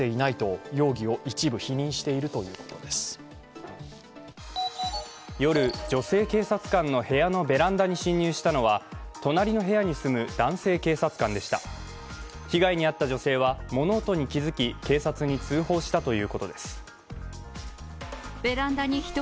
被害に遭った女性は物音に気づき、警察に通報したということです。